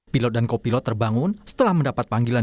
pilot dan kopilot terbangun setelah mendapat panggilan